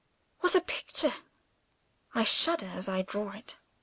What a picture! I shudder as I draw it.